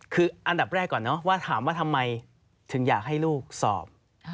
คืออันดับแรกก่อนเนอะว่าถามว่าทำไมถึงอยากให้ลูกสอบ